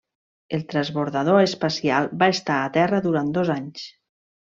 El transbordador espacial va estar a Terra durant dos anys.